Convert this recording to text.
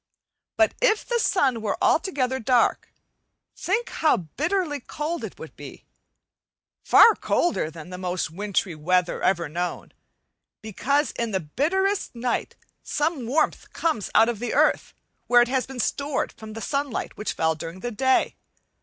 But if the sun were altogether dark, think how bitterly cold it would be; far colder than the most wintry weather ever known, because in the bitterest night some warmth comes out of the earth, where it has been stored from the sunlight which fell during the day.